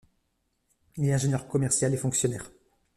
Il est ingénieur commercial et fonctionnaire.